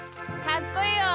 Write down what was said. かっこいいよ！